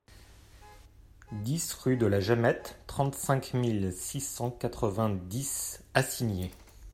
dix rue de la Jamette, trente-cinq mille six cent quatre-vingt-dix Acigné